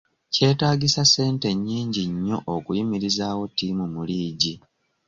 Kyetaagisa ssente nyingi nnyo okuyimirizaawo ttiimu mu liigi.